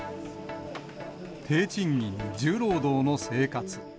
低賃金、重労働の生活。